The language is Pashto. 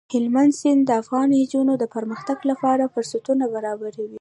هلمند سیند د افغان نجونو د پرمختګ لپاره فرصتونه برابروي.